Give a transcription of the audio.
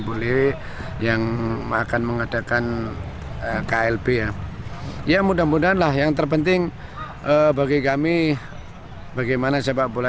boleh yang akan mengadakan klb ya ya mudah mudahan lah yang terpenting bagi kami bagaimana sepak bola